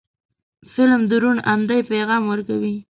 فلم د روڼ اندۍ پیغام ورکوي